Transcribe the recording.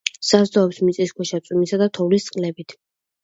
საზრდოობს მიწისქვეშა, წვიმისა და თოვლის წყლებით.